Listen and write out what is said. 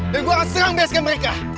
dan gua akan serang best game mereka